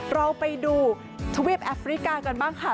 เราไปดูทวีปแอฟริกากันบ้างค่ะ